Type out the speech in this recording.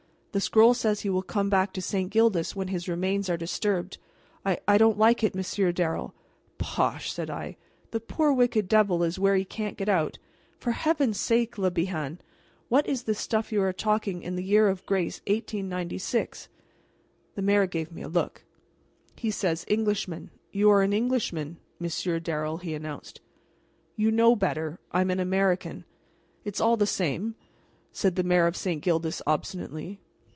The scroll says he will come back to St. Gildas when his remains are disturbed. I I don't like it, Monsieur Darrel " "Bosh!" said I; "the poor wicked devil is where he can't get out. For Heaven's sake, Le Bihan, what is this stuff you are talking in the year of grace 1896?" The mayor gave me a look. "And he says 'Englishman.' You are an Englishman, Monsieur Darrel," he announced. "You know better. You know I'm an American." "It's all the same," said the Mayor of St. Gildas, obstinately.